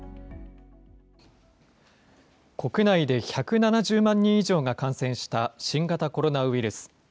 国内で１７０万人以上が感染した新型コロナウイルス。